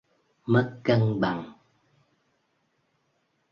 mất cân bằng